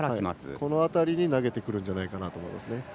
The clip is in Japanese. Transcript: この辺りに投げてくるんじゃないかなと思います。